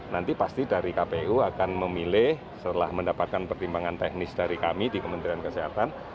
nanti pasti dari kpu akan memilih setelah mendapatkan pertimbangan teknis dari kami di kementerian kesehatan